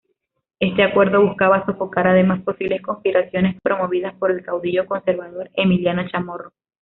Este acuerdo buscaba sofocar, además, posibles conspiraciones promovidas por el caudillo conservador Emiliano Chamorro.